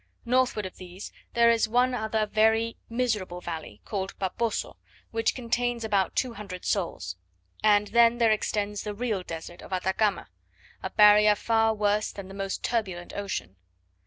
Northward of these, there is one other very miserable valley, called Paposo, which contains about two hundred souls; and then there extends the real desert of Atacama a barrier far worse than the most turbulent ocean.